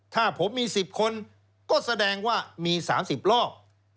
ถ้าผมมี๑๐คนก็แสดงว่ามี๓๐รอบ